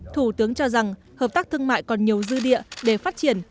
thủ tướng cho rằng hợp tác thương mại còn nhiều dư địa để phát triển